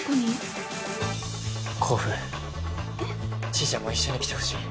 ちーちゃんも一緒に来てほしい。